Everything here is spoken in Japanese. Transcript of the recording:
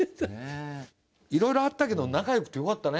いろいろあったけど仲よくてよかったね。